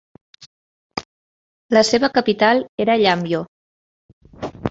La seva capital era Yambio.